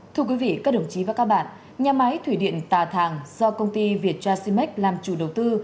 thưa quý vị các đồng chí và các bạn nhà máy thủy điện tà thàng do công ty vietjashima làm chủ đầu tư